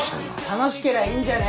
楽しけりゃいいんじゃね？